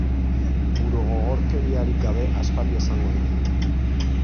Burugogorkeriarik gabe aspaldi esango nuen.